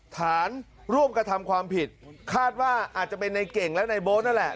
ฐานร่วมกระทำความผิดคาดว่าอาจจะเป็นในเก่งและในโบ๊ทนั่นแหละ